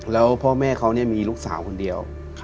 แล้วพ่อแม่เขามีลูกสาวคนเดียว